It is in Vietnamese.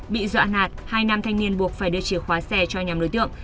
bị dọa nạt hai nam thanh niên buộc phải đưa chìa khóa xe cho nhóm đối tượng